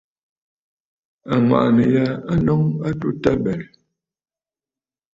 Àŋwàʼànə̀ ya a nɔŋə a atu tabɛ̀rə̀.